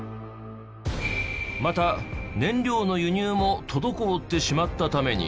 また燃料の輸入も滞ってしまったために。